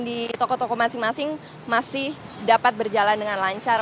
di toko toko masing masing masih dapat berjalan dengan lancar